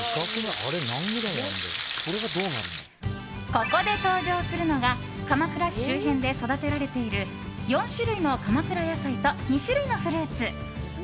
ここで登場するのが鎌倉市周辺で育てられている４種類の鎌倉野菜と２種類のフルーツ。